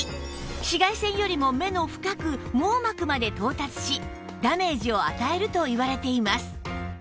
紫外線よりも目の深く網膜まで到達しダメージを与えるといわれています